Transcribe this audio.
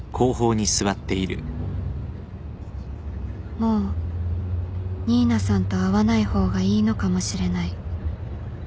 もう新名さんと会わない方がいいのかもしれない